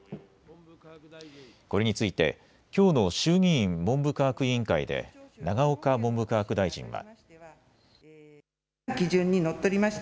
これについて、きょうの衆議院文部科学委員会で永岡文部科学大臣は。